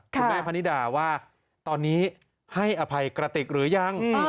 คุณแม่พนิดาว่าตอนนี้ให้อภัยกระติกหรือยัง